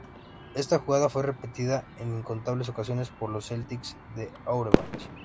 Esta jugada fue repetida en incontables ocasiones por los Celtics de Auerbach.